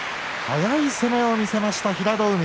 速い攻めを見せました平戸海。